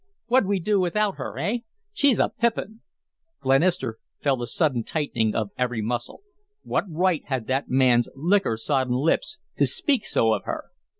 What'd we do without her, eh? She's a pippin!" Glenister felt a sudden tightening of every muscle. What right had that man's liquor sodden lips to speak so of her?